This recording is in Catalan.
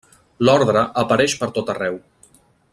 L'ordre apareix per tot arreu.